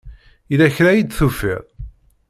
Yella kra ay d-tufiḍ?